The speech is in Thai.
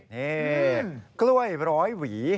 นี่กล้วยร้อยหวี